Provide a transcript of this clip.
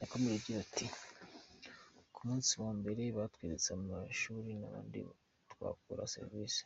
Yakomeje agira ati "Ku munsi wa mbere batweretse amashuri n’ahandi twakura serivisi.